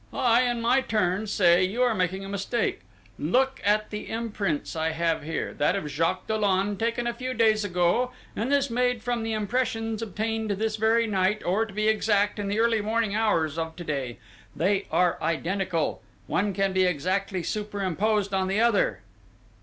"I, in my turn, say, you are making a mistake! Look at the two imprints I have here! That of Jacques Dollon taken a few days ago, and this made from the impressions obtained this very night, or, to be exact, in the early morning hours of to day! They are identical one can be exactly superposed on the other!..."